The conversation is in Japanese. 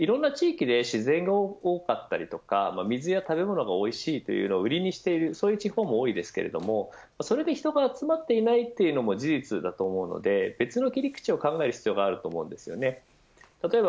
いろいろな地域で自然が多かったり水や食べ物がおいしいというのを売りにしているそういう地方も多いですがそれで人が集まっていないというのも事実だと思うので別の切り口を考える必要があると思います。